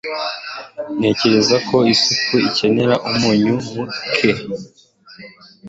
Ntekereza ko isupu ikenera umunyu muke.